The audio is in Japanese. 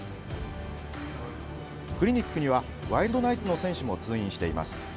クリニックにはワイルドナイツの選手も通院しています。